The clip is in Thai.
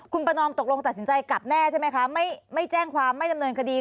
คุณประนอมตกลงตัดสินใจกลับแน่ใช่ไหมคะไม่แจ้งความไม่ดำเนินคดี